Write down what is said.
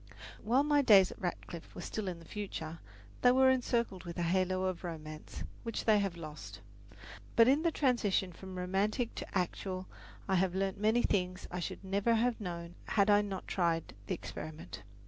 While my days at Radcliffe were still in the future, they were encircled with a halo of romance, which they have lost; but in the transition from romantic to actual I have learned many things I should never have known had I not tried the experiment.